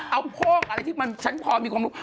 เอาโพกอะไรที่มันฉันพอมีความรู้